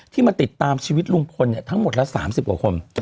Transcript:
มาติดตามชีวิตลุงพลทั้งหมดละ๓๐กว่าคน